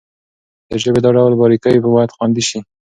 د ژبې دا ډول باريکۍ بايد خوندي شي.